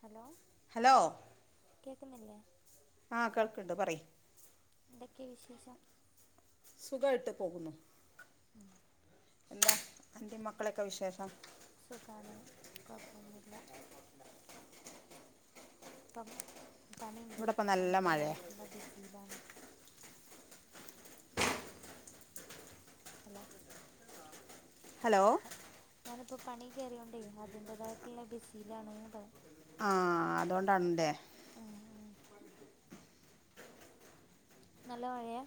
Hello hello കേക്കുന്നില്ലേ ആ കേൾക്കണ്ട് പറയ് എന്തൊക്കെയാ വിശേഷം സുഖായിട്ട് പോകുന്നു [inaudible] എന്താ അന്റേം മക്കളൊക്കെ വിശേഷം സുഖമാണ് കുഴപ്പോന്നുല്ല പ്പം പണിയിണ്ട് ഇവിടെ ഇപ്പം അപ്പൊ നല്ല മഴയാ അതിന്റേതായിട്ടുള്ള ബിസിയിലാണ് ഹലോ ഹലോ ഹ ഞാനിപ്പോൾ പണി കേറിയോണ്ടേ അതിന്റേതായിട്ടുള്ള ബിസിലാണ് പറ ആ അതുകൊണ്ടാണ്ടേ ഉം, ഉം. നല്ല മഴയാ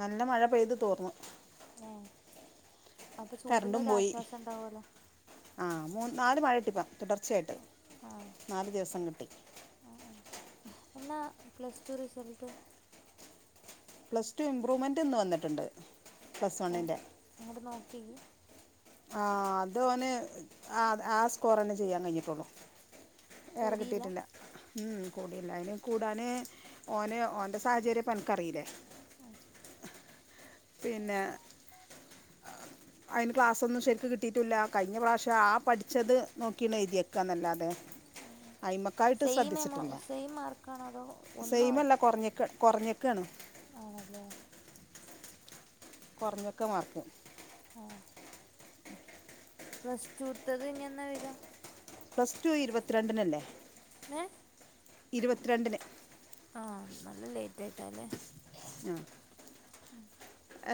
നല്ല മഴ പെയ്ത് തോർന്നു ഏഹ് അപ്പൊ കറണ്ടും പോയി ചൂടിനൊരാശ്വാസണ്ടാവോല്ലോ ആ മൂ നാല് മഴട്ടിപ്പ തുടർച്ചയായിട്ട് ആ നാല് ദിവസം കിട്ടി ഉം, ഉം. എന്നാ പ്ലസ്റ്റു റിസൽട്ട് പ്ലസ്റ്റു ഇംമ്പ്രൂവ്മെന്റ് ഇന്ന് വന്നിട്ടുണ്ട് പ്ലസ് എ വണ്ണിൻ്റെ ഇങ്ങട്ട് നോക്കി ആ അത് ഓന് ആ ആ സ്കോർ തന്നെ ചെയ്യാൻ കഴിഞ്ഞിട്ടുള്ളു ഏറെ കൂടിയില്ല കിട്ടിയിട്ടില്ല ഉം കൂടിയില്ല അതിന് കൂടാന് ഓന് ഓന്റെ സാഹചര്യം ഇപ്പോ എനിക്കറിയില്ലേ ഉം പിന്നെ അതിന് ക്ലാസ്സൊന്നും ശെരിക്ക് കിട്ടിട്ടൂല്ല കഴിഞ്ഞ പ്രാവശ്യം ആ പഠിച്ചത് നോക്കി ആണ് എഴുതിയേക്കുന്നല്ലാതെ അയിമക്കായിട്ട് സെയിം എമൗ ശ്രദ്ധിച്ചിട്ടില്ല സെയിം മാർക്കാണോ അതോ ഒന്നോ സെയിമല്ല കുറഞ്ഞേക്ക കൊറഞ്ഞേക്കാണ്. ആണല്ലേ കൊറഞ്ഞേക്കാ മാർക്ക്‌. പ്ലസ്റ്റൂത്തത് ഇനിയെന്നാ വരുവാ. പ്ലസ് ടു ഇരുപത്തിരണ്ടിനല്ലേ? ഏ ഇരുപത്തിരണ്ടിന്. ആ നല്ല ലേറ്റ് ആയിട്ടാല്ലേ? ആ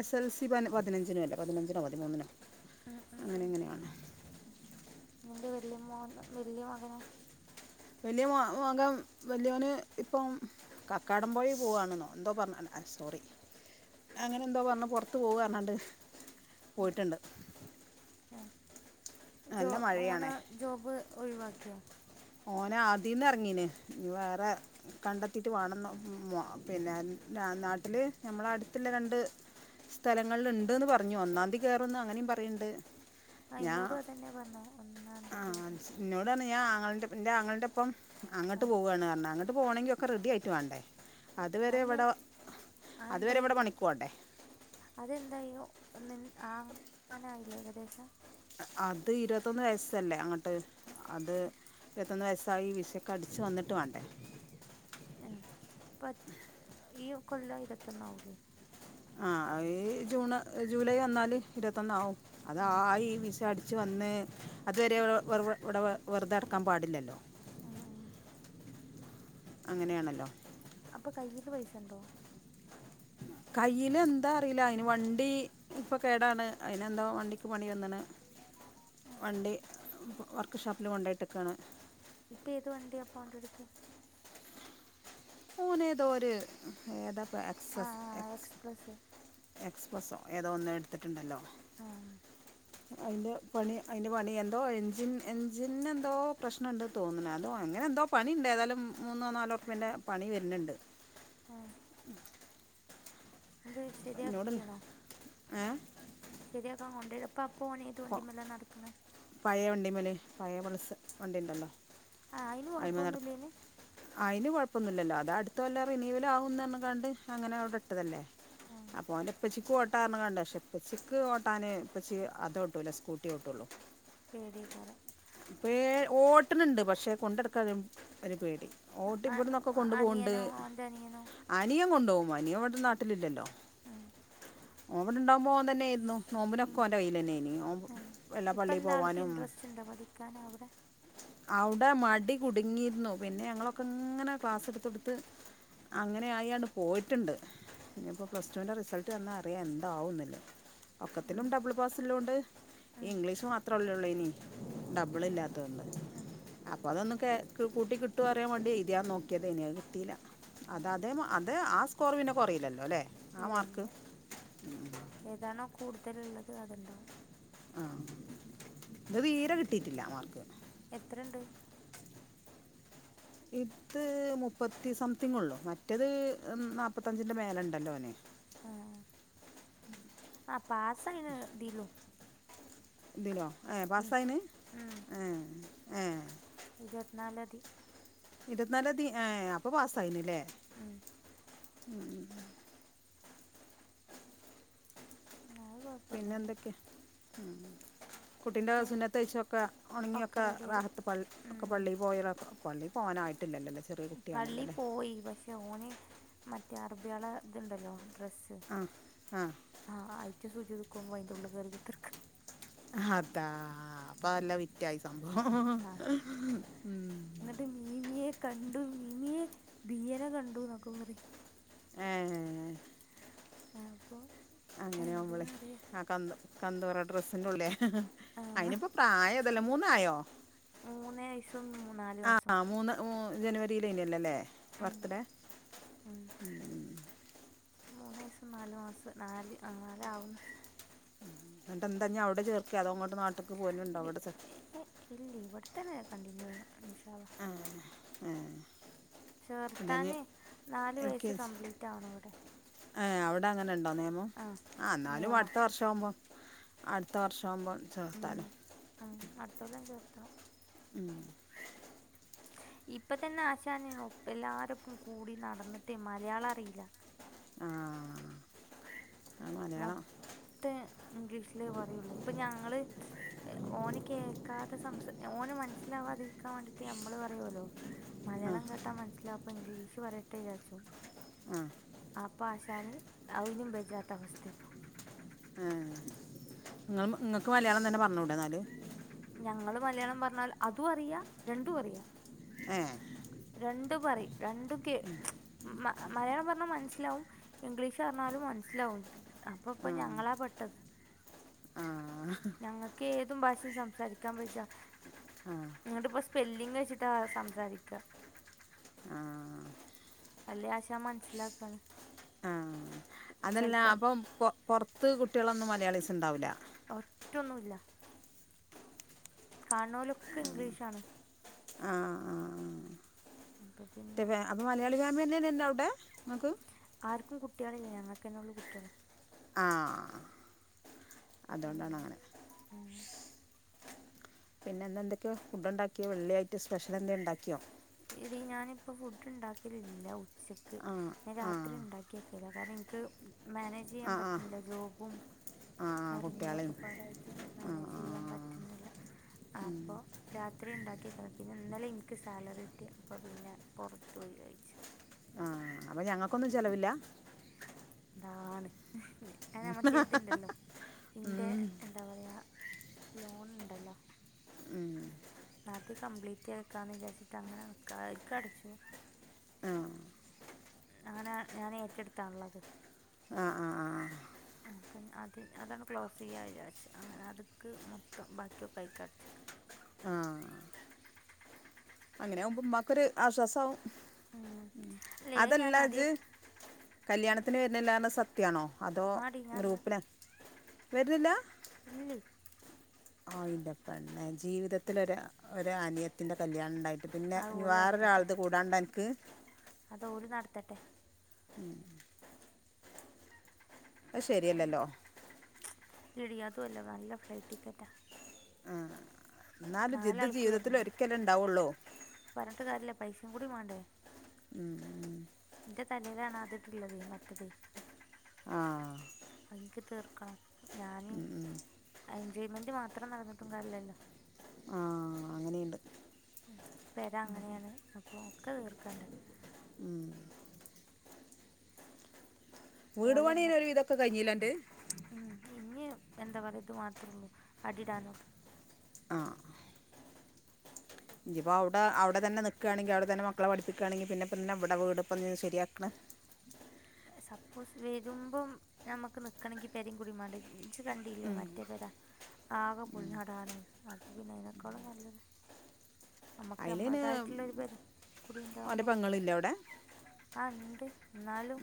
എസ് എൽ സി പ പതിനഞ്ചിനോ അല്ലേ പതിനഞ്ചിനോ പതിമൂന്നിനോ? ഉ ഉം അങ്ങനെ ഉം ഇങ്ങനെയാണ് നിന്റെ വല്യ മോന് വല്യ മകന് വല്യ മാ മകൻ വല്യവൻ ഇപ്പം കക്കാടം പോയിൽ പോവാണെന്നോ എന്തോ പറഞ്ഞ് സോറി അങ്ങനെ എന്തോ പറഞ്ഞ് പൊറത്ത് പോവാ പറഞ്ഞാണ്ട് പോയിട്ടുണ്ട്. ഏ ജോ നല്ല മഴയാണേ ഓന് ജോബ് ഒഴിവാ ക്കിയോ? ഓനെ അതീന്ന് ഇറങ്ങീന് ഇനി വേറെ കണ്ടെത്തീറ്റ് വേണന്ന് ഉം പിന്നെ നാട്ടില് നമ്മളെ അടുത്തുള്ള രണ്ട് സ്ഥലങ്ങളിൽ ഇണ്ട്ന്ന് പറഞ്ഞു ഒന്നാംതീ കേറും അങ്ങനേം പറയണ്ട്. ആ ഇന്നോടും അതന്നെ പറഞ്ഞേ ഒന്നാംതീ കേറും. [unintelligible] ന്റെ ആങ്ങളേടൊപ്പം അങ്ങട്ട് പോവാണ് പറഞ്ഞ് അ ങ്ങട്ട് പോണെങ്കി ഒക്കെ റെഡി ആയിട്ട് വേണ്ടേ? അ അതുവരെ ഞാ ഇവിടെ അ അതുവരെ എന്തായി ഇവിടെ പണിക്ക് പോകണ്ടേ അതെന്തായോ ന്ന് ആ ങ്ങനായില്ലേ ഏകദേശം അത് ഇരുവത്തൊന്ന് വയസ്സല്ലേ? അങ്ങട്ട് അത്. അത് ഇരുപത്തൊന്ന് വയസ്സായി വിശക്കടിച്ചു വന്നിട്ട് വേണ്ടേ? ആഹ്. പ ഈ കൊല്ലം ഇരൊത്തൊ ന്നാഊലെ? ആ. അ ഈ ജൂണ്, ജൂലൈ ഒന്നാല് ഇരുപത്തൊന്ന് ആവും. അത് ആ ഉം, ഈ വിശ അടി ച്ച് വന്ന് അതുവരെ വ് വെറു വെ വെർ, ഇവടെ വെർ വെർതെട്ക്കാൻ പാടില്ലല്ലോ. ആ ആ അങ്ങനെയാണല്ലോ? അപ്പൊ കൈയില് പൈസണ്ടോ? കയ്യില് എന്താ അറിയില്ല. അയിന് വണ്ടി ഇപ്പൊ കേടാണ്. അയിനെന്തോ വണ്ടിക്ക് പണി വന്നണ്. ഉം. വണ്ടി വർക്ക്ഷാപ്പില് കൊണ്ടയിട്ടിക്കയാണ്. ഇപ്പൊ എത് വണ്ടിയ അപ്പോ ഓന്റടുത്ത്. മോനേതോര് ഏതാ? ആ എക്സസ് ആ എക്സ്. എക്സ്പ്രസ് എക്സ്പ്ലസോ ഏതോ ഒന്ന് എട്ത്തിട്ടുണ്ടല്ലോ? ആ അയിന്റെ പണി അയിന്റെ പണി എന്തോ എഞ്ചിൻ എഞ്ചിന് എന്തോ പ്രശ്നണ്ട് തോന്നണ്. അതോ അങ്ങനെ എന്തോ പണിയിണ്ട്. ഏതാലും മൂന്നോ നാലോ ഉർപ്യന്റെ പണി വര്ന്ണ്ട്. ഉം അത് എന്നോട് ശരിയാക്കീണോ? ഏ ശരിയാക്കാൻ കൊണ്ടേ പ്പൊ അപ്പോനേത് വണ്ടിമേലാ നടക്ക്ന്നേ? ണ്ടിമലേ പയേ പൾസ് വണ്ടി ഇണ്ടല്ലോ? ആ അയിന് കൊഴപ്പൊന്നുല്ലേന് പ്പൊന്നുല്ലല്ലോ അതട്തൊല്ലം റിനീവൽ ആകുന്നർഞ്‌ക്കാണ്ട് അങ്ങനെ അവ് ടെട്ടതല്ലേ. ആ അപ്പൊന്റപ്പച്ചി ക്ക് ഓട്ടാർഞ്ക്കാണ്ട് ക്ഷേ ഇപ്പ ച്ചിക്ക് ഓട്ടാന് ഇപ്പ ച്ചി അത് ട്ടൂല സ്കൂട്ടി ഓട്ടൊള്ളു. പേടിയക്കാരം പേ ഓട്ട്ണ് ണ്ട് പക്ഷെ കൊണ്ടടക്കാന് ഒരു പേ ഓട്ടി വ്ട്ന്നൊക്ക കൊണ്ടു പോണ്ട് അനിയനോ ഓൻ്റെ അനിയനോ അനിയൻ കൊണ്ടോകും. വനിയ വടെ നാട്ടിലില്ലല്ലോ. ഉം ഓം വടെണ്ടാകുമ്പോ ഓം തന്നെര്ന്നു. ഉം, നോമ്പിനൊക്കെ ഓന്റയ്യ്ല് തന്നാനിം. ആ ഇപ്പ ന്താ ആൾക്ക് ഇൻഡ്രസ്റ്റ് ണ്ടാ പഠിക്കാന അവ്ടെ. ഔട മടി കുടുങ്ങിരുന്നു. പിന്നെ ഞങ്ങളൊക്കെ ങ്ങനെ ക്ലാസ്ട്ത്തോട്ത്ത് അങ്ങനെ ആയി ആണ്ട് പോയിട്ട് ണ്ട്. ഇനിപ്പോ പ്ലസ് ടുൻ്റെ റിസൾട്ട് വന്നാ അറിയാ എന്താകുന്നുള്ളത്. ഉം, ഒക്കത്തിലും ഡബിൾ പാസ്സള്ളോണ്ട് ഉം, ഇംഗ്ലീഷ് മാത്രം ഒല്ലോള്ളേനി ഡബ്ള് ഉം, ഇല്ലാത്തോണ്ട് ഉം. അപ്പൊ അതൊന്ന് കേക്ക് കൂട്ടി കിട്ടോ അറിയാം മാണ്ടി എഴുത നോക്കിയതേന് അത് കിട്ടീല്ല അത അതേ മൊ അതെ ആ സ്കോറ് പിന്നെ കൊറീലല്ലോ ല്ലേ. ഇല്ല ല്ല ഏതാണോ കൂടുതല്ള്ളത് അത് ണ്ടാവും ആഹ് ത് തീരെ കിട്ടിട്ടില്ല മാർക്ക് എത്ര ഉണ്ട് ഇത് മുപ്പത്തി സംതിങൊള്ളു. മറ്റേത് ന്നാപ്പത്തഞ്ചിന്റെ മേലണ്ടല്ലോ ഓന്. ആഹ്. ആ പാസായ്ണ് തിലും. ദിലോ? ഏ. പസായിണ്? ഹേ ഇരുവത് നാലാതി ഇരൊത് നാലാന്തി ഏ അപ്പൊ പാസ്സായിണ് ലേ ഉം അത് കുഴപ്പമൊന്നുമില്ല പിന്നെന്തൊക്കെ? ഉം കുട്ടിന്റെ വേ സുന്നത്തയ്ച്ചതൊക്കെ ഒണങ്ങിയൊക്ക ഒക്കെ റെഡിയായി റാഹത്ത് പളളി ഒക്കെ ഉം. പള്ളി പോയതാ പള്ളി പോകാനായിട്ടില്ലല്ലോ. ചെറിയ കുട്ടിയാണല്ലോ പള്ളി അല്ലേ പോയി പക്ഷെ ഓന് മറ്റേ അറബികൾ. ഇതുണ്ടല്ലോ ഡ്രസ്സ്‌ ആ ആ ആഹ് അയച്ചു സുജു. ക്കുമ്പോ അതിന്റെ ഉള്ളിൽ കയറി കുത്തിരിക്കു. അതാ അപ്പൊ നല്ല വ്യത്യാസം. ആഹ് അന്നിട്ട് മീമിയെ ക ണ്ട് മീമിയെ ബിയനെ കണ്ടുന്നൊക്കെ പറയും. ആഹ് ആഹ് അപ്പോ അങ്ങനെ ആകുമ്പോഴേ ആ കന്നു. [unintelligible] ഡ്രസ്സിനുള്ളിലെ ആ അതിനിപ്പോ പ്രായം ഇതല്ലേ മൂന്നായോ മൂന്ന് വയസ്സും മൂ- നാല് മാസം ആഹ് മൂന്ന് മൂ ജനുവരിയിലെ ഇല്ലല്ലേ അല്ലെ. ഉം, ബർത്ത് ഡേ ഉം ഉം. മൂന്ന് വയസും നാലു മാസം നാല് നാലാവുന്നു. ഉ എന്നിട്ടെന്താ ഇനി അവിടെ ചേർക്കയാണോ അങ്ങോ- ഇല്ലില്ല ഇല്ല ഇവിടെത്തന്നെ കണ്ടിന്യൂ ചെയ്യണം അനിഷ ആ ആ ചേർത്താനെ നാലു വയസ്സ് കംപ്ലീറ്റ് ആവണം ഇവിടെ ആ അവിടെ അങ്ങനെ നെയുണ്ടോ നിയമം ആ എന്നാലും നിയമ അടുത്ത വർഷമാവുമ്പോ- അടുത്ത വർഷം ആവുമ്പം ഉം ചേർത്താലോ ആ അടുത്തോല്ലം ചേർ [unintelligible] ഉം ഇപ്പ തന്നെ ആശാന് ഒപ്പ എല്ലാതൊപ്പം കൂടി നടന്നിട്ടേ മലയാളം അറിയില്ല ആ മൊത്തം ഇംഗ്ലീഷിലേ പറയുള്ളൂ ഇപ്പൊ ഞങ്ങള് ഓന് കേൾക്കാതെ സംസ ഓന് മന ലാവാതിരിക്കാൻ വേണ്ടീട്ട് ഞമ്മള് പറയുമല്ലോ ആഹ് മലയാളം കേട്ടാ മനസ്സിലാ അപ്പോ ഇംഗ്ളി പറയട്ടെ ന്ന് വിചാരിച്ചു ആഹ് അപ്പ ആശ താനെ അവിനും ബൈജാത അവസ്ഥ ത്ത് ആ നിങ്ങൾ നിങ്ങൾക്ക് മലയാളം തന്നെ പറഞ്ഞുടെ എന്നല് ഞങ്ങള് മലയാളം പറഞ്ഞാൽ അതും അറിയ രണ്ടും അറിയാ ഹേ രണ്ടും പറയും രണ്ടും കേ മലയാളം പറഞ്ഞാൽ മനസ്സിലാവും ഇംഗ്ലീഷ് പറഞ്ഞാലും മനസ്സിലാവും അപ്പ ഇപ്പൊ ആഹ് ഞങ്ങളാ പെട്ടത് ആഹ് ഞങ്ങക്ക് ഏതും ഭാഷയും സംസാരിക്കാൻ ബേജ ആഹ് ങ്ങട്ടിപ്പ സ്പെല്ലിങ് വെച്ചിട്ടാ സംസാരിക്ക ആഹ് അല്ലെ ആശ മൻസ്സിലാക്കന്നെ ആഹ് അതല്ല അപ്പം പൊ പൊറത്ത് കുട് കുട്ടികളൊന്നും മലയാളിസിണ്ടാവില്ല ഒറ്റൊന്നുല്ല കാൺണോലൊക്കെ ഇംഗ്ലീഷാണ് ആഹ് ആഹ് അപ്പൊ പി മറ്റേ ഫാ അപ്പൊ മലയാളി ഫാമിലി തന്നെ അല്ലേ എല്ലാം അവിടെ നിങ്ങക്ക് ആർക്കും കുട്ടികളില്ലേ നങ്ങക്കന്നേ ഉള്ളൂ കുട്ടികള് ആ ഉം, അതുകൊണ്ടാണങ്ങനെ ഉം. പിന്നെ എന്താ എന്തോക്കെയോ ഫുഡ് ഉണ്ടാക്കിയവെള്ളിആയിട്ട് സ്പെഷ്യൽ എന്തേ ഉണ്ടാക്കിയോ എടി ഞാനിപ്പ ഫുഡ് ഉണ്ടാക്കലില്ല ഉച്ചക്ക് ആഹ് ഞാൻ രാത്രി ആഹ് ഇണ്ടാക്കിക്കല കാരൻക്ക് മാനേജ് ചെയ്യാൻ ആഹ് ആഹ് പറ്റണില്ല ജോബും ആഹ് കാര്യങ്ങളൊക്കെ കുട്ടികളെയും പാടായിട്ട് മാനേജ് ചെയ്യാൻ ആഹ് പറ്റുന്നില്ല അപ്പോരാത്രി ഉണ്ടാക്കി പിന്ന ഇന്നലെ എനിക്ക് സാലറി [unintelligible] അപ്പ പിന്നെ പുറത്ത്പോയി കഴിച്ചു ആ അപ്പ ഞങ്ങക്കൊന്നും ചെലവില്ല ദാണ് അ മറ്റേതിണ്ടല്ലോ ഇന്റെ എന്താ പറയാ ലോണുണ്ടല്ലോ അത് കംപ്ലീറ്റാക്കാന്ന് വിചാരിച്ചിട്ട് അങ്ങനെ നിക്ക [unintelligible] ക്കടിച്ചു ആഹ് അങ്ങനെ ഞാനെറ്റടുത്താണുള്ളത് ആഹ് ആഹ് ആഹ് അപ്പം അത് അതങ്ങ് ക്ലോസ് ചെയ്യാന്ന് വിചാരിച്ച് അങ്ങനെ അതക്ക് മൊത്തം ബാക്കിയൊക്കെയിക്ക അടിച്ച് ആഹ് അങ്ങനെ ആവുമ്പോ ഉമ്മാക്കൊരു ആശ്വാസാവും ഹും ഉം അല്ലേ അത് ഞാൻ അതല്ല അജ് ആദ്യമേ കല്യാണത്തിന് വരണില്ലാന്ന് സത്യാണോ അതോ ആടി ഞാനല്ല ഗ്രൂപ്പിനെ വര്ണില്ല ഇല്ലേ ആ യില്ല പെണ്ണെ ജീവിതത്തിലൊര് ഒരു അനിയത്തിന്റ കല്യാണം ഉണ്ടായി പിന്നെ അത് ഇനി ഓല് നടത്തട്ടെ വേറൊരാളത് കൂടാണ്ടന്ക്ക് ത്തട്ടെ അത് ശെരിയല്ലല്ലോ എടി അതുഅല്ല നല്ല ഫ്ലൈറ്റ് ടിക്കറ്റാ ആ എന്നാലും ജിദ് ജീവിതത്തിൽ വരണ്ടേ ഒരിക്കലേ ഉണ്ടാവുള്ളൂ പറഞ്ഞിട്ട് കാര്യല്ല പൈസേം കൂടി വേണ്ടേ ഉം ഉം എന്റെ തലയിലാണ് ആദ്യട്ടുള്ളത് മറ്റത് ആ എനിക്ക് തീർക്കണം ഞാന് ഉം ഉം എൻജോയ്മെന്റ് മാത്രം നടന്നിട്ടും കാര്യല്ലല്ലോ ആ അങ്ങനെയുണ്ട് പെര അങ്ങനെയാണ് അപ്പോ ഒക്കെ തീർക്കണ്ട വീട്പണി ഇത് ഓലെങ്ങ ഒരു വിധൊക്കെ കഴിഞ്ഞില്ലെ അന്റ് ഉം. ഇനി എന്താ വറുത് മാത്രൊള്ളൂ അടിടാനൊ ഇനിയിപ്പോ അവിടെ അവിടെ തന്നെ നിക്കാണെങ്കി അവിടെ തന്നെ മക്കളെ പഠപ്പിക്കാണെങ്കി പിന്നെപ്പിന്നെ ഇവിടെ വീട്പ്പ നീ ശരിയാക്കണ് സപ്പോസ് വരുമ്പോ നമ്മക്ക് നിക്കണെങ്കി പെരേംകൂടി മേണ്ടേ ഉമ്മിച്ചി കണ്ടില്ലേ മറ്റേ പെര ആകെ പൊളിഞ്ഞടങ്ങി അപ്പ പിന്നെ അതിനെക്കാളും നല്ലത് നമ്മക്ക് അതിലിന് നമ്മളതായിട്ടുള്ള പേ ഓൻ്റെ [unintelligible] പെങ്ങളില്ല അവിടെ ആ ണ്ട് ന്നാലും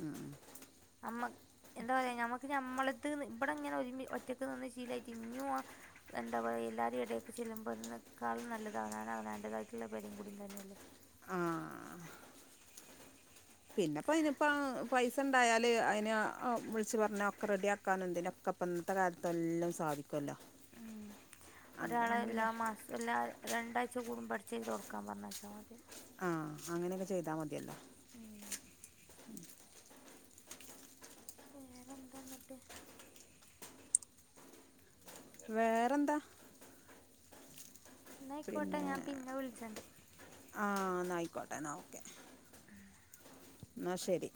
മ്മ എന്താ പറയാ ഞമ്മക്ക് നമ്മളത് ഇവിടെ ഇങ്ങനെ ഒരുമി ഒറ്റക്ക് നിന്ന് ശീലായിട്ട് ഇനും ആ എന്താ പറയാ എല്ലാരും എടേക്ക് ചെല്ലുമ്പോതിനേക്കാളും നല്ലത് അവനവന് അവനന്റേതായിട്ടുള്ള പെരേം കൂടിം തന്നെയല്ലേ ആ പിന്നെപ്പോ അതിനിപ്പ പൈസ ഉണ്ടായാല് അയിന് വിളിച്ച് പറഞ്ഞാ ഒക്കെ റെഡിയാക്കൻ എന്തിനൊക്കെ അപ്പ ഇന്നത്തെ കാലത്ത് എല്ലാം സാധിക്കു ഉം ഒരാളെ ആകുമ്പോൾ എല്ലാ പിന്നെ മാസവും എല്ല രണ്ടാഴ്ച കൂടുമ്പോ അടിച്ച് വാരി തുടക്കാൻ പറഞ്ഞാെച്ചാൽ മതി ആഹ് അങ്ങനെയൊക്കെ ചെയ്താൽ മതിയല്ലോ ഉം വേറെന്താ ന്നിട്ട് വേറെന്താ ന്നായിക്കോട്ടെ ഞാൻ പിന്നെ വിളിച്ചണ്ട് ആഹ് എന്നാ ആയിക്കോട്ടെ എന്നാ ഓക്കെ എന്നാ ശരി